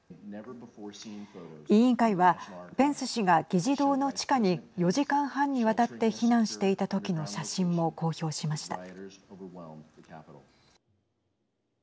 委員会は、ペンス氏が議事堂の地下に４時間半にわたって避難していたときの写真も公表しました。